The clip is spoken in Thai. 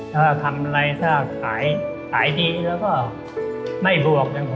ถ้าทำอะไรถ้าขายดีแล้วก็ไม่บวกกัน